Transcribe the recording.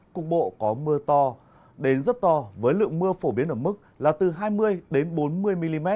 cục bộ có mưa to đến rất to với lượng mưa phổ biến ở mức là từ hai mươi bốn mươi mm